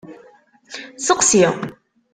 Seqsi.